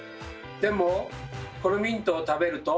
でもこのミントを食べると。